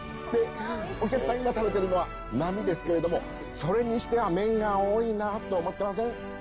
「でお客さんが食べてるのは並ですけれどもそれにしては麺が多いなと思ってません？」。